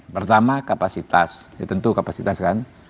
pertama kapasitas ya tentu kapasitas kan